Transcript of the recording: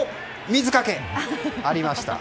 水かけがありました。